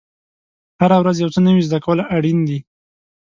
هره ورځ یو څه نوی زده کول اړین دي.